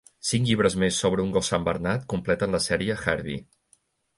Cinc llibres més sobre un gos santbernat completen la sèrie "Harvey".